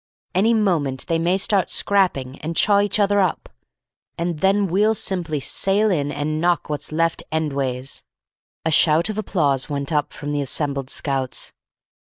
Any moment they may start scrapping and chaw each other up, and then we'll simply sail in and knock what's left endways." A shout of applause went up from the assembled scouts.